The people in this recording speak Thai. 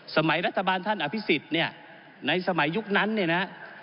สมัยรัฐบาลท่านอภิษฎเนี่ยในสมัยยุคนั้นเนี่ยนะ